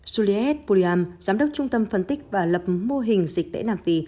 juliette pouliam giám đốc trung tâm phân tích và lập mô hình dịch tễ nam phi